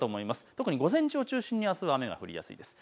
特に午前中を中心にあすは雨が降りやすいです。